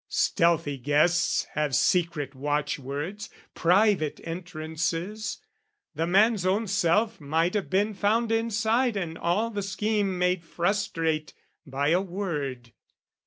Stealthy guests Have secret watchwords, private entrances: The man's own self might have been found inside And all the scheme made frustrate by a word.